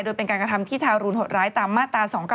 โดยเป็นการกระทำที่ทารุณหดร้ายตามมาตรา๒๙